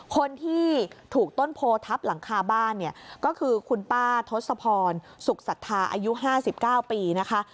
คนที่ถูกต้นโพทับหลังคาบ้านเนี่ยก็คือคุณป้าทศพรสุขศรัทธาอายุ๕๙ปีนะคะ